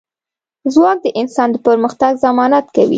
ځواک د انسان د پرمختګ ضمانت کوي.